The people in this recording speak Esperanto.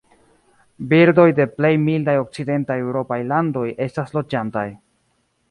Birdoj de plej mildaj okcidentaj eŭropaj landoj estas loĝantaj.